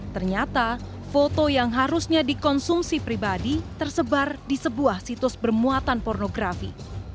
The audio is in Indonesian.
ternyata foto yang harusnya dikonsumsi pribadi tersebar di sebuah situs bermuatan pornografi